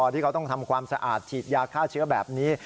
ที่เขาต้องทำความสะอาดฉีดยาฆ่าเชื้อแบบนี้